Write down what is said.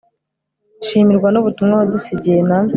shimirwa n'ubutumwa wadusigiye, na